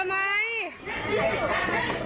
ในใจไรต่อ